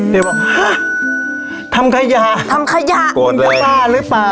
เตี๋ยบอกฮะทำขยะโกรธเลยมึงจะบ้าหรือเปล่า